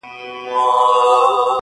o زلفي راټال سي گراني.